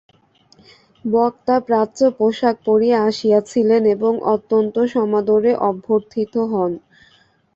বক্তা প্রাচ্য পোষাক পরিয়া আসিয়াছিলেন এবং অত্যন্ত সমাদরে অভ্যর্থিত হন।